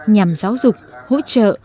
nhằm giáo dục hỗ trợ